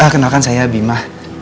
kenalkan saya bima